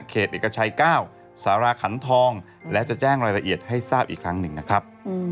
เอกชัย๙สารขันทองและจะแจ้งรายละเอียดให้ทราบอีกครั้งหนึ่งนะครับ